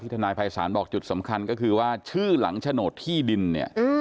ทนายภัยศาลบอกจุดสำคัญก็คือว่าชื่อหลังโฉนดที่ดินเนี่ย